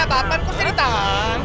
ini abapan kok seri tan